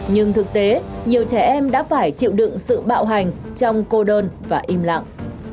nhưng thực tế nhiều trẻ em đã phải chịu đựng sự bạo hành trong cô đơn và im lặng